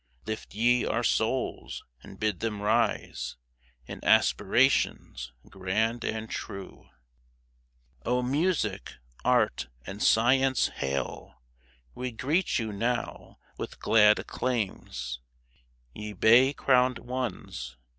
Lift ye our souls, and bid them rise In aspirations grand and true ! 42 LYRIC O Music, Art, and Science, hail ! We greet you now with glad acclaims ; Ye bay crowned ones